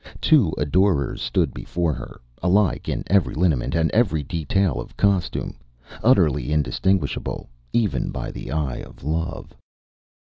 Two adorers stood before her, alike in every lineament and every detail of costume, utterly indistinguishable, even by the eye of Love.